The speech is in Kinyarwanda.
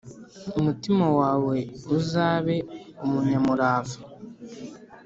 Umutima wawe uzabe umunyamurava,